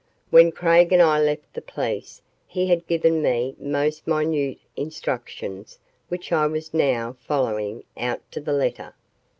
When Craig and I left the police he had given me most minute instructions which I was now following out to the letter.